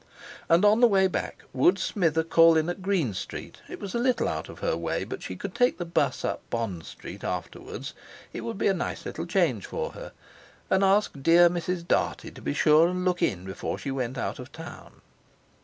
And on the way back would Smither call in at Green Street—it was a little out of her way, but she could take the bus up Bond Street afterwards; it would be a nice little change for her—and ask dear Mrs. Dartie to be sure and look in before she went out of town.